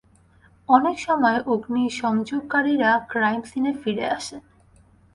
অনেক সময় অগ্নিসংযোগকারীরা ক্রাইম সিনে ফিরে আসে।